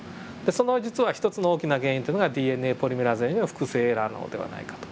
その実は１つの大きな原因っていうのがＤＮＡポリメラーゼの複製エラーなのではないかと。